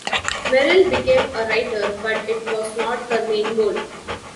Merrill became a writer, but it was not her main goal.